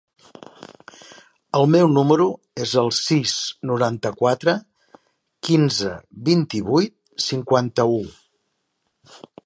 El meu número es el sis, noranta-quatre, quinze, vint-i-vuit, cinquanta-u.